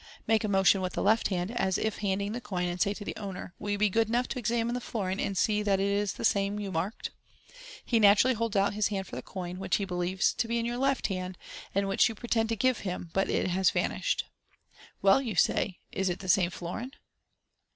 Make a motion with the left hand, as if handing the coin, and say to the owner, "Will you be good enough to examine the florin, and see that it is the same you marked.*' He naturally holds out his hand for the coin, which he believes to be in your left hand, and which you pretend to give himj but it has vanished. "Weil," you say, "is it the same florin?"